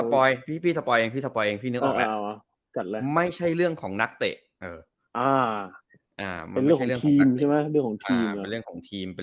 ผมเสริมนึงแล้วกัน